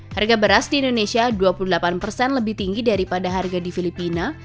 harga beras di indonesia dua puluh delapan persen lebih tinggi daripada harga di filipina